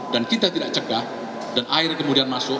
dan kita tidak cegah dan air kemudian masuk